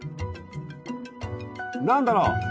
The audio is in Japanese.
何だろう？